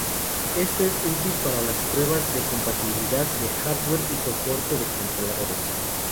Esto es útil para las pruebas de compatibilidad de hardware y soporte de controladores.